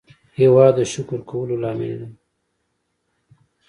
هېواد د شکر کولو لامل دی.